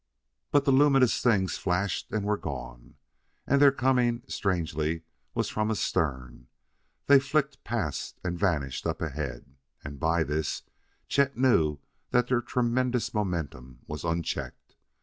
But the luminous things flashed and were gone and their coming, strangely, was from astern; they flicked past and vanished up ahead. And, by this, Chet knew that their tremendous momentum was unchecked.